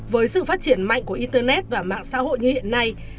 với sự phát triển mạnh của internet và mạng xã hội như hiện nay